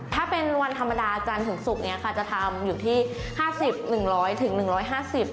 ถ้าเป็นวันธรรมดาจันทร์ถึงศุกร์นี้ค่ะจะทำอยู่ที่ห้าสิบหนึ่งร้อยถึง๑๕๐บาท